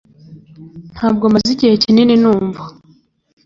ntabwo maze igihe kinini numva